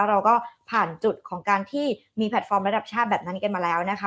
เราก็ผ่านจุดของการที่มีแพลตฟอร์มระดับชาติแบบนั้นกันมาแล้วนะคะ